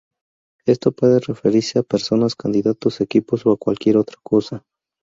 Esto puede referirse a: personas, candidatos, equipos, o cualquier otra cosa.